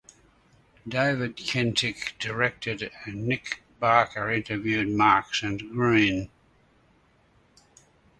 David Kentick directed and Nick Barker interviewed Marks and Green.